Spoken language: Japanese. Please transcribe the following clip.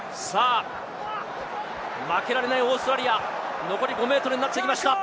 負けられないオーストラリア、残り５ｍになってきました。